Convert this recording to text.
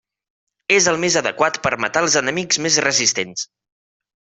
És el més adequat per matar els enemics més resistents.